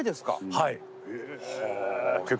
はい。